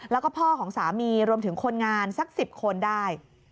แล้วก็พ่อของสามีรวมถึงคนงานสัก๑๐คนได้